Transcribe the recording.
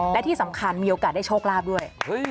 และที่สำคัญมีโอกาสได้โชคลาภด้วย